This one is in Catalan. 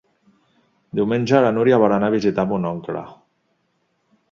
Diumenge na Núria vol anar a visitar mon oncle.